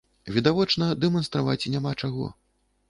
Відавочна, дэманстраваць няма чаго.